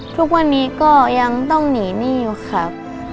ทุกวันนี้ก็ยังต้องหนีหนี้อยู่ครับ